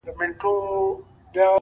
نه !!نه محبوبي زما!!